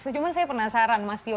cuma saya penasaran mas tio